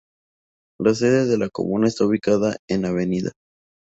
La sede de la comuna está ubicada en Av.